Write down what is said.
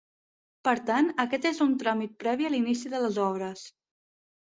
Per tant, aquest és un tràmit previ a l'inici de les obres.